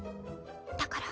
だから。